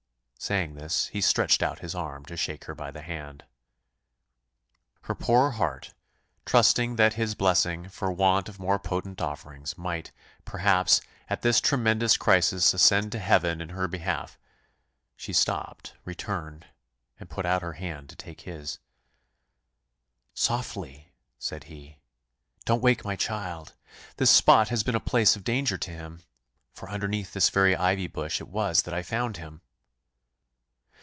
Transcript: Saying this, he stretched out his arm to shake her by the hand. Her poor heart, trusting that his blessing, for want of more potent offerings, might, perhaps, at this tremendous crisis ascend to Heaven in her behalf, she stopped, returned, and put out her hand to take his. "Softly!" said he; "don't wake my child; this spot has been a place of danger to him, for underneath this very ivy bush it was that I found him."